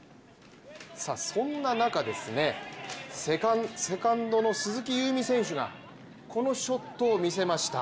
そんな中、セカンドの鈴木夕湖選手がこのショットを見せました。